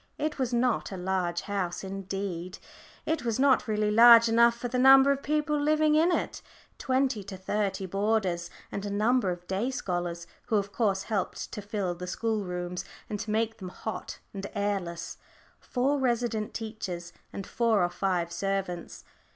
It was not a large house indeed, it was not really large enough for the number of people living in it twenty to thirty boarders, and a number of day scholars, who of course helped to fill the schoolrooms and to make them hot and airless, four resident teachers, and four or five servants.